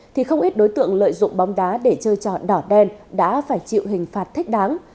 thì không ít đối tượng lợi dụng bóng đá để chơi tròn đỏ đen đã phải chịu hình phạt thích đáng